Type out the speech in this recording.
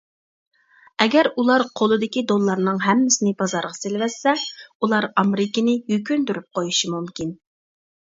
ئەگەر ئۇلار قولىدىكى دوللارنىڭ ھەممىسىنى بازارغا سېلىۋەتسە، ئۇلار ئامېرىكىنى يۈكۈندۈرۈپ قويۇشى مۇمكىن.